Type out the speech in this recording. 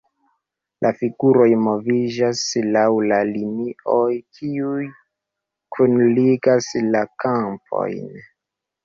La figuroj moviĝas laŭ la linioj, kiuj kunligas la kampojn.